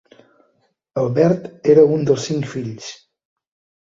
Albert era un dels cinc fills.